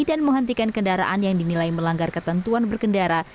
dan menghentikan kendaraan yang dinilai melanggar ketentuan berkendara